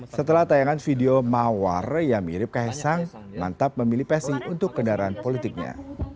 setelah tayangan video mawar yang mirip kaisang mantap memilih psi untuk kendaraan politiknya